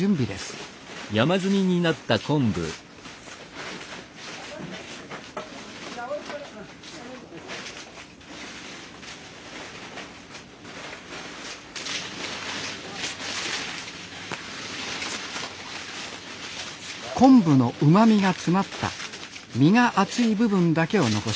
昆布のうまみが詰まった身が厚い部分だけを残します。